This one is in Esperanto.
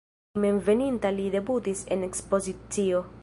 Hejmenveninta li debutis en ekspozicio.